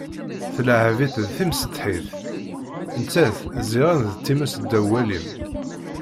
Tleɛɛeb-itt d timsetḥit, nettat ziɣen d times ddaw walim.